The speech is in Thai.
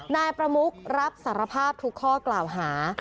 นายประมุกรับสารภาพทุกข้อกล่าวหา